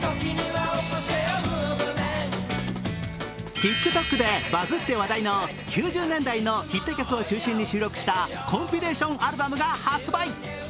ＴｉｋＴｏｋでバズって話題の９０年代のヒット曲を中心に収録したコンピレーションアルバムが発売。